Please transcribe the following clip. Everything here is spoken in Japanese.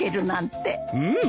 うん！